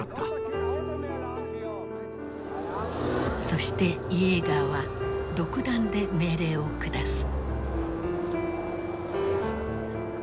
そしてイエーガーは独断で命令を下す。